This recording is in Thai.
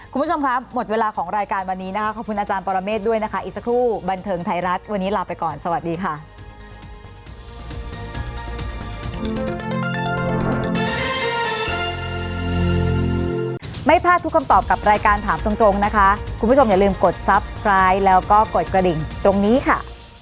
คุณผู้ชมครับหมดเวลาของรายการวันนี้นะคะขอบคุณอาจารย์ปรเมฆด้วยนะคะอีกสักครู่บันเทิงไทยรัฐวันนี้ลาไปก่อนสวัสดีค่ะ